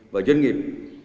và doanh nghiệp